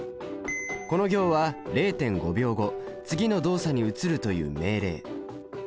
この行は０．５秒後次の動作に移るという命令。